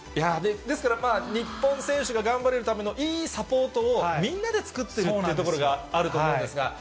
ですから日本選手が頑張れるための、いいサポートをみんなで作っているっていうところがあると思うんそうなんですよ。